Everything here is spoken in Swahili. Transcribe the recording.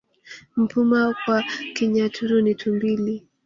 Mpuma kwa Kinyaturu ni tumbili